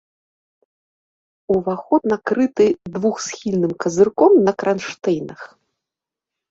Уваход накрыты двухсхільным казырком на кранштэйнах.